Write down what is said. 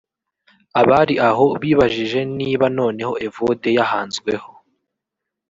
Abari aho bibajije niba noneho Evode yahanzweho